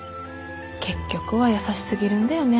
結局は優しすぎるんだよね